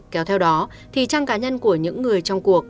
kéo theo đó thì trang cá nhân của những người trong cuộc